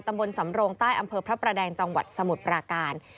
ตำบลสำโรงใต้อำเภอพระประแดงจังหวัดสมุทรปราการ